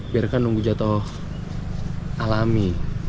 biarkan nunggu jatuh alami